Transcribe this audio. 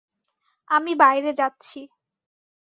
আমি বাইরে যাচ্ছি।